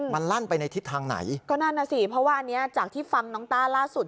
มันลั่นไปในทิศทางไหนก็นั่นน่ะสิเพราะว่าอันนี้จากที่ฟังน้องต้าล่าสุด